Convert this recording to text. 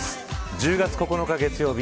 １０月９日月曜日